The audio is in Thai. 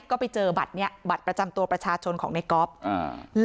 ก็ไปเจอบัตรเนี้ยบัตรประจำตัวประชาชนของในก๊อฟอ่า